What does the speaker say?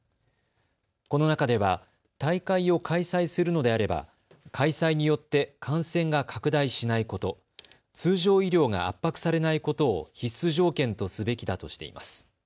この中では大会を開催するのであれば開催によって感染が拡大しないこと、通常医療が圧迫されないことを必須条件とすべきだとしています。